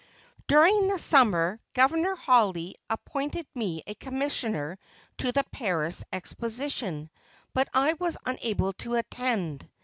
During the summer Governor Hawley appointed me a commissioner to the Paris Exposition, but I was unable to attend.